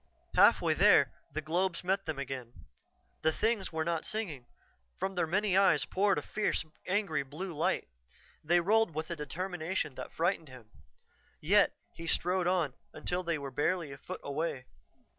Halfway there, the globes met them again. The things were not singing; from their many eyes poured a fierce, angry blue light. They rolled with a determination that frightened him. Yet he strode on, until they were barely a foot away.